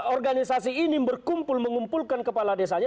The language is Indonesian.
organisasi ini berkumpul mengumpulkan kepala desanya